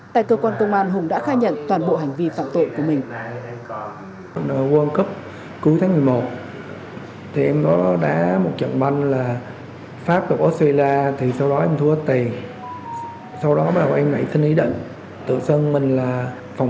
tại cơ quan công an hùng đã khai nhận toàn bộ hành vi phạm tội của mình